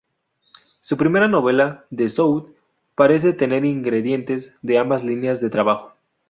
Su primera novela, "The South", parece tener ingredientes de ambas líneas de trabajo.